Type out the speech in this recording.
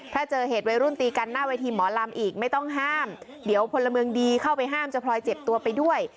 ถ้าเจอเหตุวัยรุ่นตีกันหน้าเวทีหมอลำอีกไม่ต้องห้ามเดี๋ยวพลเมืองดีเข้าไปห้ามจะพลอยเจ็บตัวไปด้วย